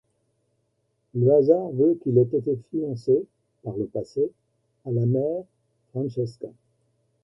Le hasard veut qu'il ait été fiancé, par le passé, à la mère, Francesca.